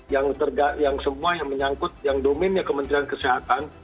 yang semua yang menyangkut yang domennya kementerian kesehatan